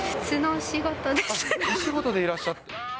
お仕事でいらっしゃって。